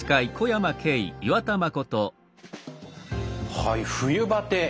はい冬バテ。